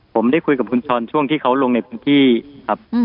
ผมได้คุยกับคุณชรช่วงที่เขาลงในพื้นที่ครับ